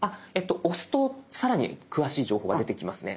押すとさらに詳しい情報が出てきますね。